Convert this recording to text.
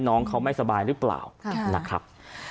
น้องเขาไม่สบายหรือเปล่านะครับ